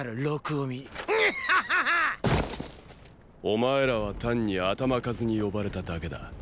お前らは単に頭数に呼ばれただけだ。